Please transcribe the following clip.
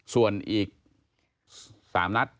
ส่วนอีก๓นัด